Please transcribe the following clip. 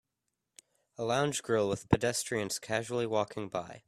A Lounge Grill with pedestrians casually walking by.